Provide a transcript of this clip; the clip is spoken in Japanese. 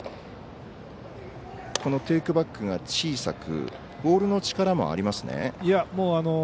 テイクバックが小さくボールの力もありますね。